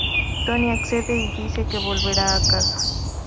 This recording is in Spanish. Tony accede y dice que volverá a casa.